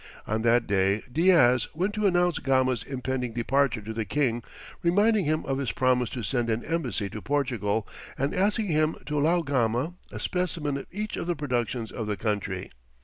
On that day Diaz went to announce Gama's impending departure to the king, reminding him of his promise to send an embassy to Portugal, and asking him to allow Gama a specimen of each of the productions of the country.